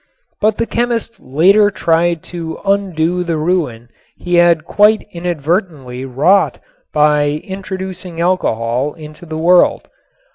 But the chemist later tried to undo the ruin he had quite inadvertently wrought by introducing alcohol into the world.